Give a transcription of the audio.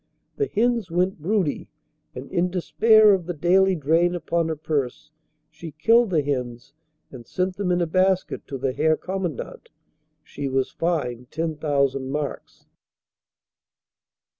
The hens went broody and in despair of the daily drain upon her purse, she killed the hens and sent them in a basket to the Herr Commandant. She was fined 10,000 marks.